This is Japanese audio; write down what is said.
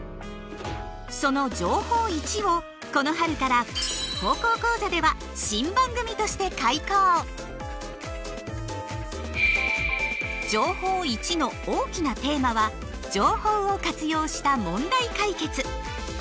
その「情報Ⅰ」をこの春から「高校講座」では「情報Ⅰ」の大きなテーマは情報を活用した問題解決。